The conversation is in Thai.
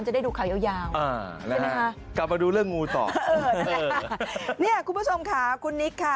จะได้ดูข่าวยาวยาวอ่านะฮะกลับมาดูเรื่องงูต่อเออเนี่ยคุณผู้ชมค่ะคุณนิกค่ะ